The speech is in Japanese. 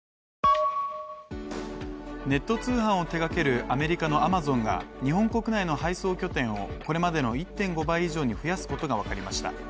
ネット通販を手がけるアメリカのアマゾンが日本国内の配送拠点をこれまでの１．５倍以上に増やすことがわかりました。